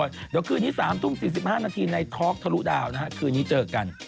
เดี๋ยวคืนนี้๓ทุ่ม๔๕นาทีในท็อกทะลุดาวนะฮะคืนนี้เจอกัน